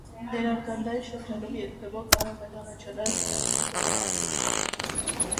Ներարգանդային շրջանում երբեմն կարող են առաջանալ բնածին ձևախախտումներ։